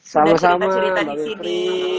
selalu selama bang fitri